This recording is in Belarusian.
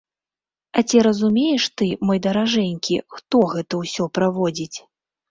А ці разумееш ты, мой даражэнькі, хто гэта ўсё праводзіць?